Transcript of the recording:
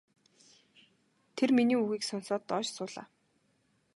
Тэр миний үгийг сонсоод доош суулаа.